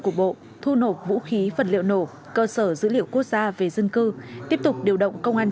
cục bộ thu nộp vũ khí vật liệu nổ cơ sở dữ liệu quốc gia về dân cư tiếp tục điều động công an